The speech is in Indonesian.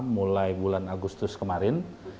mulai bulan agustus kemarin